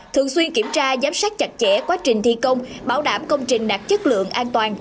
thường xuyên kiểm tra giám sát chặt chẽ quá trình thi công bảo đảm công trình đạt chất lượng an toàn